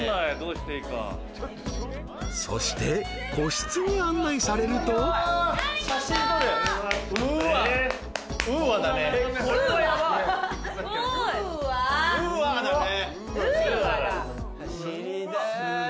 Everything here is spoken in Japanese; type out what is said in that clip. ［そして個室に案内されると］うーわだね。